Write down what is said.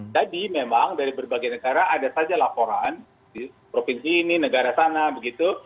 jadi memang dari berbagai negara ada saja laporan di provinsi ini negara sana begitu